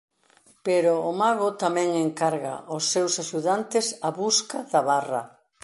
Pero o mago tamén encarga ós seus axudantes a busca da Barra.